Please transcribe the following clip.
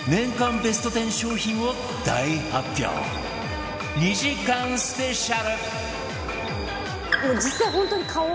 ベスト１０商品を大発表２時間スペシャル